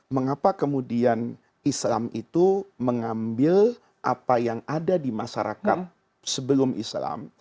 mengapa kemudian islam itu mengambil apa yang ada di masyarakat sebelum islam